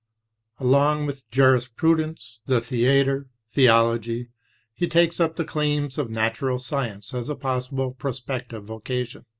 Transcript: Along with jurisprudence, the theatre, theology, he takes up the claims of natural science as a possible prospective vocation.